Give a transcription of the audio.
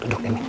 duduk deh nih